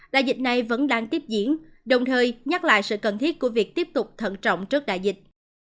đại dịch này vẫn đang tiếp diễn đồng thời nhắc lại sự cần thiết của việc tiếp tục thận trọng trước đại dịch